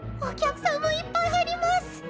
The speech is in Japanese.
お客さんもいっぱい入りマス！